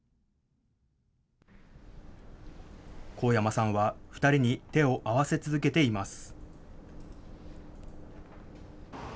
神山さんは２人に手を合わせ続けています。